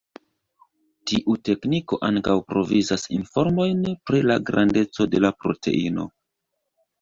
Tiu tekniko ankaŭ provizas informojn pri la grandeco de la proteino.